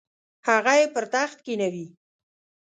هغه یې پر تخت کښینوي.